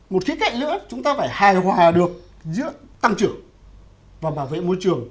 một khía cạnh nữa chúng ta phải hài hòa được giữa tăng trưởng và bảo vệ môi trường